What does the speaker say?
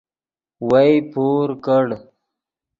وئے پور کڑ